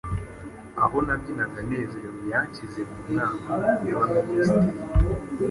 Aho nabyinaga nezerewe; Yanshyize mu Nama y'Abaminisitiri,